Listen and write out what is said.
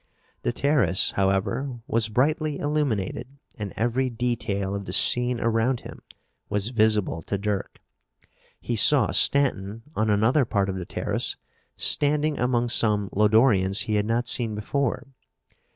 The terrace, however, was brightly illuminated and every detail of the scene around him was visible to Dirk. He saw Stanton, on another part of the terrace, standing among some Lodorians he had not seen before.